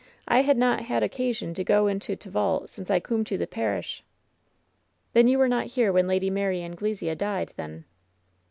I ha* not had occasion to go into t' vault since I coom to t' parish.^* "Then you were no here when Lady Mary Anglesea died, then?"